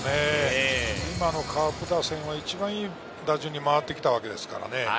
今のカープ打線は一番いい打順に回ってきたわけですからね。